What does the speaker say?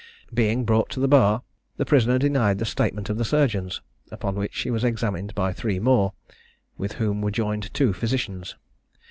Being brought to the bar, the prisoner denied the statement of the surgeons; upon which she was examined by three more, with whom were joined two physicians.